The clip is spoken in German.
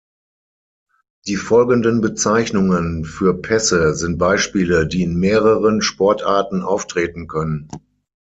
Die folgenden Bezeichnungen für Pässe sind Beispiele, die in mehreren Sportarten auftreten können.